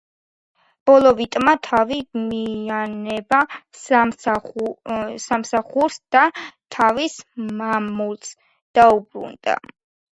ბოლოტოვმა თავი მიანება სამსახურს და თავის მამულს დაუბრუნდა.